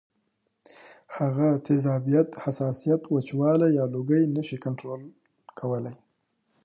هغه تیزابیت ، حساسیت ، وچوالی یا لوګی نشي کنټرول کولی